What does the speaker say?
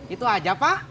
itu aja pak